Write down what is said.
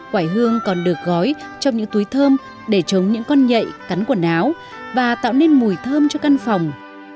quả hương còn được gói trong những túi thơm để chống những con nhạy cắn quần áo và tạo nên mùi thơm cho căn phòng